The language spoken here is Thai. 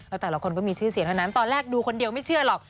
แล้วแต่ละคนก็มีชื่อเสียงเท่านั้นตอนแรกดูคนเดียวไม่เชื่อหรอก